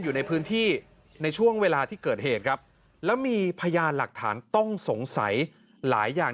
อยู่ในพื้นที่ในช่วงเวลาที่เกิดเหตุครับแล้วมีพยานหลักฐานต้องสงสัยหลายอย่าง